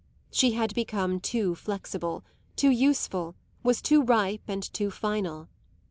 She had become too flexible, too useful, was too ripe and too final.